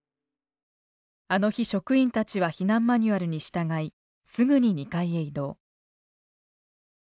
あの日職員たちは避難マニュアルに従いすぐに２階へ移動。